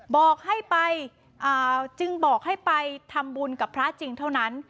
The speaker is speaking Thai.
บอกให้ไปจึงบอกให้ไปทำบุญกับพระจริงเท่านั้น